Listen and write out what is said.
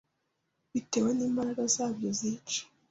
Bitewe n’imbaraga zabyo zica